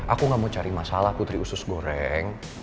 aku gak mau cari masalah putri usus goreng